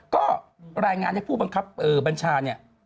ก็รายงานให้พูดบัญชาเนี่ย